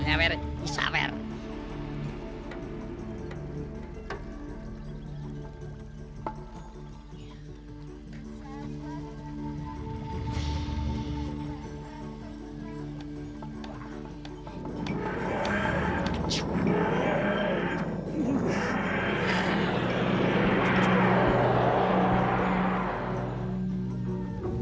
ngepet gatal terus